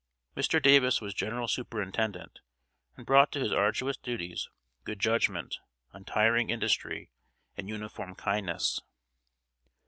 Mr. Davis was general superintendent, and brought to his arduous duties good judgment, untiring industry, and uniform kindness.